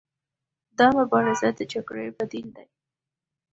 دا مبارزه د جګړې بدیل دی.